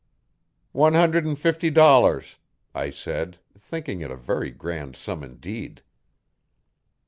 'One hundred and fifty dollars,' I said, thinking it a very grand sum indeed.